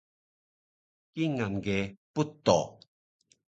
kingal ge puto